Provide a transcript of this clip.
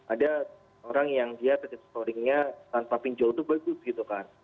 ada orang yang dia testing scoringnya tanpa pinjol itu bagus gitu kan